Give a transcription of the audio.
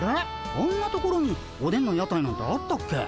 あんなところにおでんの屋台なんてあったっけ？